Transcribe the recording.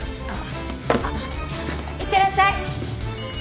あっ。いってらっしゃい！